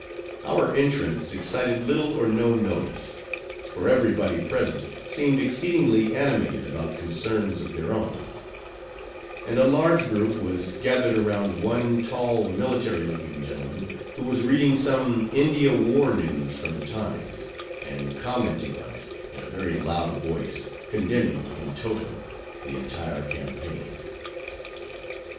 Our entrance excited little or no notice; for every body present seemed exceedingly animated about concerns of their own; and a large group was gathered around one tall, military looking gentleman, who was reading some India war news from the Times, and commenting on it, in a very loud voice, condemning, in toto, the entire campaign.